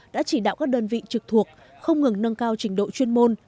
đã chỉ đạo các đơn vị trực thuộc không ngừng nâng cao trình độ chuyên môn